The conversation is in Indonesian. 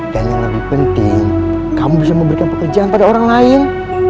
dan yang lebih penting kamu bisa memberikan pekerjaan pada orang lain